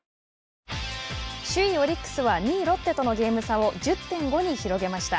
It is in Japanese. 首位オリックスは２位ロッテとのゲーム差を１０．５に広げました。